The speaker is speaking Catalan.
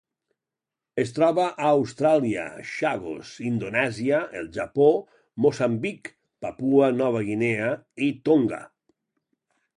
Es troba a Austràlia, Chagos, Indonèsia, el Japó, Moçambic, Papua Nova Guinea i Tonga.